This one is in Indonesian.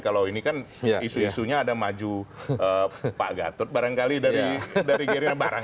kalau ini kan isu isunya ada maju pak gatot barangkali dari gerindra bareng